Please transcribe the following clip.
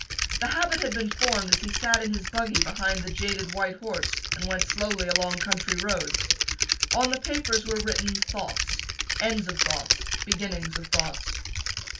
The habit had been formed as he sat in his buggy behind the jaded white horse and went slowly along country roads. On the papers were written thoughts, ends of thoughts, beginnings of thoughts.